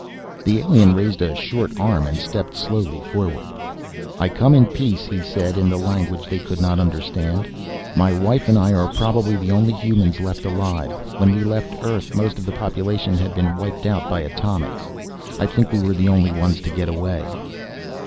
The alien raised a short arm and stepped slowly forward. "I come in peace," he said in the language they could not understand. "My wife and I are probably the only humans left alive. When we left Earth, most of the population had been wiped out by atomics. I think we were the only ones to get away."